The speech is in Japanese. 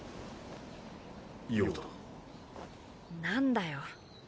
何だよ。